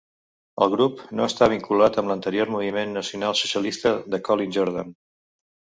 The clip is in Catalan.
El grup no està vinculat amb l'anterior Moviment Nacional Socialista de Colin Jordan.